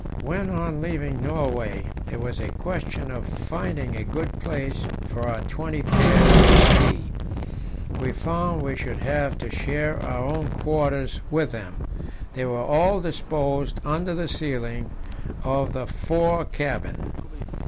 When, on leaving Norway, it was a question of finding a good place for our twenty pairs of ski, we found we should have to share our own quarters with them; they were all disposed under the ceiling of the fore cabin.